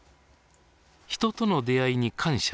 人との出会いに感謝をささげ